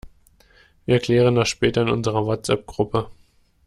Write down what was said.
Wir klären das später in unserer WhatsApp-Gruppe.